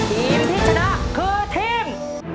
ทีมที่ชนะคือทีม